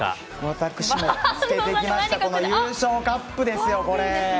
私もつけてきました優勝カップですよ、これ。